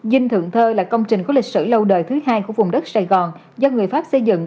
dinh thượng thơ là công trình có lịch sử lâu đời thứ hai của vùng đất sài gòn do người pháp xây dựng